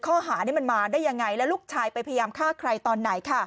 ข้อหานี้มันมาได้ยังไงแล้วลูกชายไปพยายามฆ่าใครตอนไหน